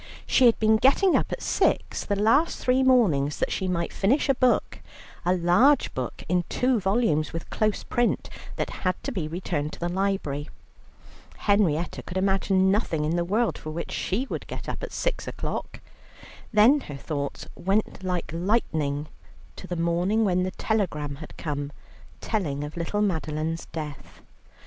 She had been getting up at six the last three mornings that she might finish a book, a large book in two volumes with close print, that had to be returned to the library. Henrietta could imagine nothing in the world for which she would get up at six o'clock. Then her thoughts went like lightning to the morning when the telegram had come telling of little Madeline's death.